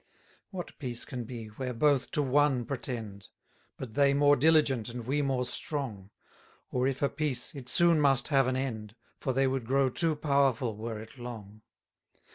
6 What peace can be, where both to one pretend? (But they more diligent, and we more strong) Or if a peace, it soon must have an end; For they would grow too powerful, were it long.